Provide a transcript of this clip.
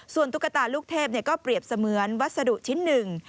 ส่วนตุ๊กตาลูกเทพก็เปรียบเสมือนวัสดุชิ้นหนึ่ง